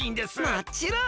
もっちろん！